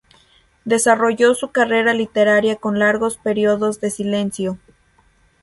Desarrolló su carrera literaria con largos periodos de silencio.